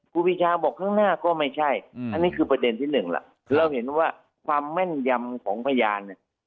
ครูปีชาบอกข้างหน้าก็ไม่ใช่อันนี้คือประเด็นที่หนึ่งล่ะเราเห็นว่าความแม่นยำของพยานเนี่ย